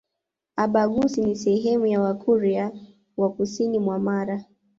Abhaghusii ni sehemu ya Wakurya wa kusini mwa Mara